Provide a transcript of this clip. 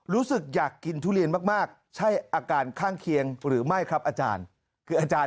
รู้สึกอยากกินทุเรียนมากใช่อาการข้างเคียงหรือไม่ครับอาจารย์คืออาจารย์